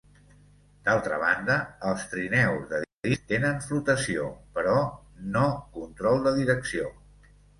D'altra banda, els trineus de disc tenen flotació, però no control de direcció.